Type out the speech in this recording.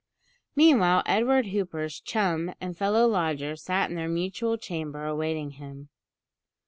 Meanwhile, Edward Hooper's "chum" and fellow lodger sat in their mutual chamber awaiting him.